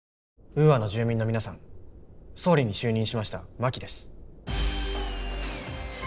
ウーアの住民の皆さん総理に就任しました真木です。